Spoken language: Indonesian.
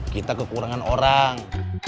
kita kekurangan orang